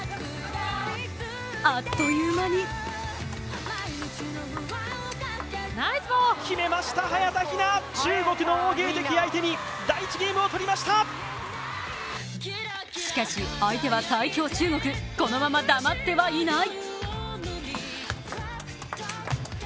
あっという間にしかし相手は最強・中国このまま黙ってはいない。